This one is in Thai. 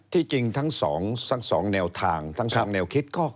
จริงทั้งสองแนวทางทั้งสองแนวคิด